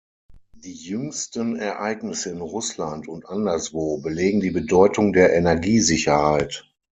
Die jüngsten Ereignisse in Russland – und anderswo – belegen die Bedeutung der Energiesicherheit.